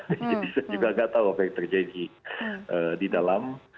jadi saya juga tidak tahu apa yang terjadi di dalam